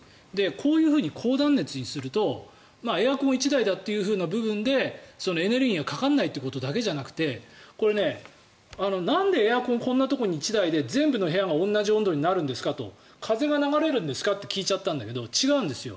こういうふうに高断熱にするとエアコン１台だという部分でエネルギーがかからないということだけじゃなくてこれ、なんでエアコンこんなところに１台で全部の部屋が同じ温度になるんですかと風が流れるんですかって聞いちゃったんだけど違うんですよ。